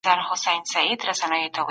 کوم فکرونه مو له تېر وخت څخه ازادوي؟